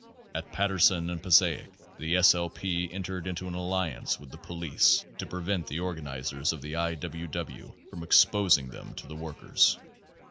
At Paterson and Passaic the S. L. P. entered into an alliance with the police to prevent the organiz ers of the I. W. W. from exposing them to the workers.